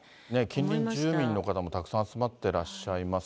近隣住民の方もたくさん集まってらっしゃいます。